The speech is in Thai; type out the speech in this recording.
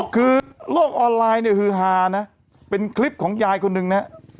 คือโลกออนไลน์เนี่ยฮือฮานะเป็นคลิปของยายคนหนึ่งนะ